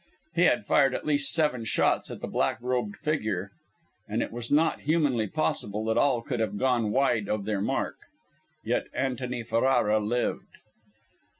He had fired at least seven shots at the black robed figure, and it was not humanly possible that all could have gone wide of their mark. Yet Antony Ferrara lived!